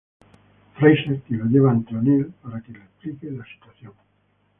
Fraiser, quien lo lleva ante O'Neill, para que le explique la situación.